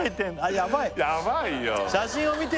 やばいよ